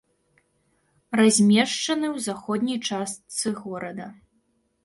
Размешчаны ў заходняй частцы горада.